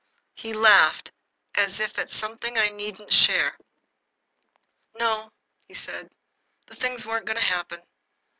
He laughed, as if at something I needn't share. "No," he said, "the things weren't going to happen.